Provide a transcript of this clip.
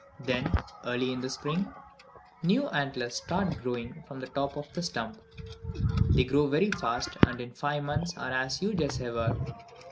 Then, early in the spring the new antlers start growing from the top of the stump. They grow very fast, and in five months are as huge as ever.